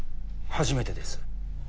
初めてです。